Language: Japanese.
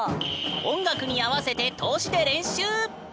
音楽に合わせて通しで練習！